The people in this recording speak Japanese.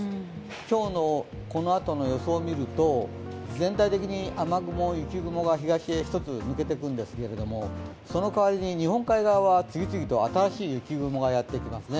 今日のこのあとの予想を見ると全体的に雨雲、雪雲が東へ１つ抜けていくんですけれどもその代わりに日本海側は次々と新しい雪雲がやってきますね。